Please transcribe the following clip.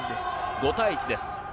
５対１です。